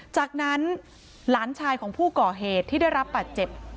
จากนั้นหลานชายของผู้ก่อเหตุที่ได้รับบาดเจ็บ